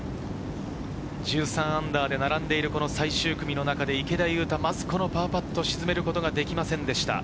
−１３で並んでいる最終組の中で池田勇太、まずこのパーパットを沈めることができませんでした。